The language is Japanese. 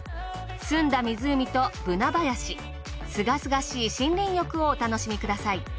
澄んだ湖とブナ林清々しい森林浴をお楽しみください。